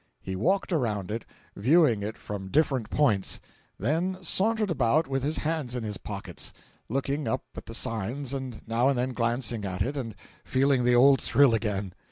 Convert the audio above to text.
He walked around it, viewing it from different points; then sauntered about with his hands in his pockets, looking up at the signs and now and then glancing at it and feeling the old thrill again.